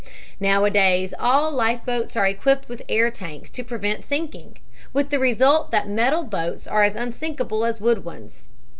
Nowadays all life boats are equipped with air tanks to prevent sinking, with the result that metal boats are as unsinkable as wooden ones.